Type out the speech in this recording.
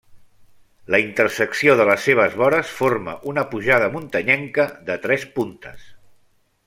La intersecció de les seves vores forma una pujada muntanyenca de tres puntes.